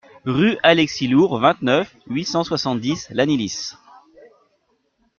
Rue Alexis l'Hourre, vingt-neuf, huit cent soixante-dix Lannilis